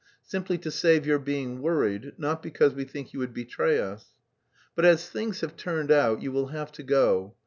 simply to save your being worried, not because we think you would betray us. But as things have turned out, you will have to go.